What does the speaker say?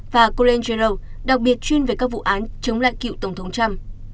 và colangelo đặc biệt chuyên về các vụ án chống lại cựu tổng thống trump